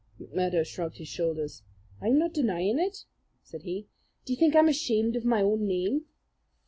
McMurdo shrugged his shoulders. "I'm not denying it," said he. "D'ye think I'm ashamed of my own name?"